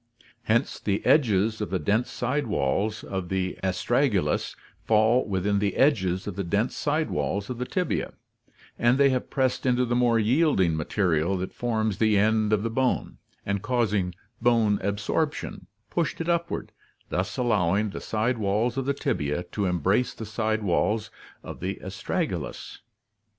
Hence the edges of the dense side walls of the astragalus fall within the edges of the dense side walls of the tibia, and they have pressed into the more yielding material that forms the end of the bone, and causing bone absorption, pushed it upward, thus allowing the side walls of the tibia to embrace the side walls of the astragalus.